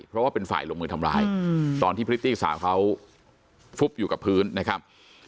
เพราะว่าเป็นฝ่ายลงมือทำร้ายตอนที่พริตตี้สาวเขาฟุบอยู่กับพื้นนะครับ